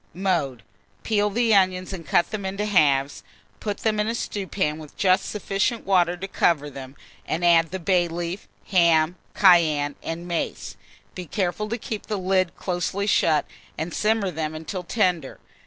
Mode. Peel the onions and cut them in halves; put them in a stewpan, with just sufficient water to cover them, and add the bay leaf, ham, cayenne, and mace; be careful to keep the lid closely shut, and simmer them until tender.